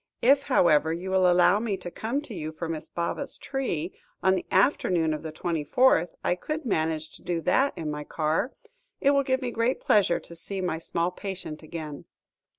If, however, you will allow me to come to you for Miss Baba's tree, on the afternoon of the twenty fourth, I could manage to do that in my car. It will give me great pleasure to see my small patient again."